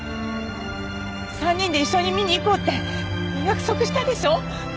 ３人で一緒に見に行こうって約束したでしょ！